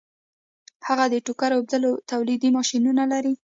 هغه د ټوکر اوبدلو تولیدي ماشینونه لري